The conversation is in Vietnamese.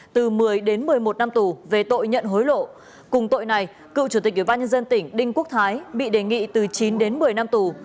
từ một mươi đến một mươi một năm tù về tội nhận hối lộ cùng tội này cựu chủ tịch ủy ban nhân dân tỉnh đinh quốc thái bị đề nghị từ chín đến một mươi năm tù